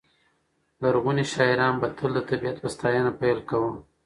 لرغوني شاعران به تل د طبیعت په ستاینه پیل کاوه.